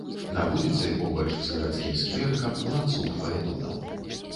На вуліцы, побач з гарадскім скверыкам, ланцуг фаэтонаў.